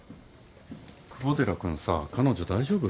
久保寺君さ彼女大丈夫？